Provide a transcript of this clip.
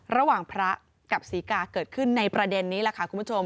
ระหว่างพระกับศรีกาเกิดขึ้นในประเด็นนี้แหละค่ะคุณผู้ชม